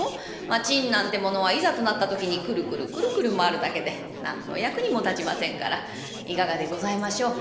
まあ狆なんてものはいざとなった時にクルクルクルクル回るだけで何の役にも立ちませんからいかがでございましょう。